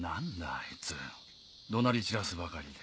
あいつ怒鳴り散らすばかりで。